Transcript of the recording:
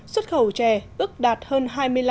xuất khẩu chè ước đạt hơn